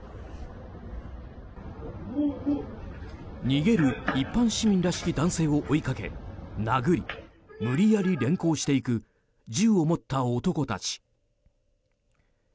逃げる一般市民らしき男性を追いかけ、殴り無理やり連行していく銃を持った男たち。